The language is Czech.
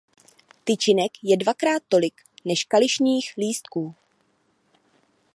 Tyčinek je dvakrát tolik než kališních lístků.